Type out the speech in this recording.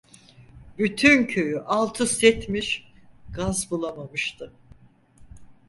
Bütün köyü altüst etmiş, gaz bulamamıştı.